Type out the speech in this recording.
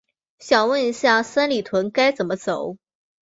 想问一下，三里屯该怎么走？